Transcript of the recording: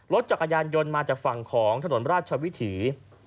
รถจักรยานยนต์มาจากฝั่งของถนนราชวิถี